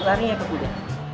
lari ya ke kuda